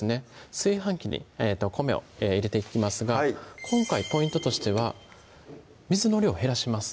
炊飯器に米を入れていきますが今回ポイントとしては水の量を減らします